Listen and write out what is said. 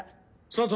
佐藤